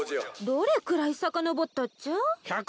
どれくらいさかのぼったっちゃ？